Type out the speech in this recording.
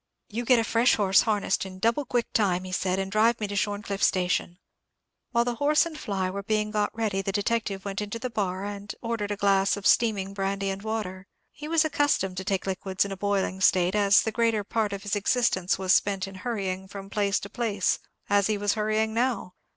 "You get a fresh horse harnessed in double quick time," he said, "and drive me to Shorncliffe station." While the horse and fly were being got ready, the detective went into the bar, and ordered a glass of steaming brandy and water. He was accustomed to take liquids in a boiling state, as the greater part of his existence was spent in hurrying from place to place, as he was hurrying now.